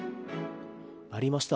ありました。